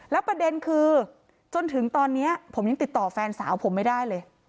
แล้วประเด็นคือจนถึงตอนนี้ผมยังติดต่อแฟนสาวผมไม่ได้เลย